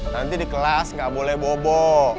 nanti di kelas nggak boleh bobo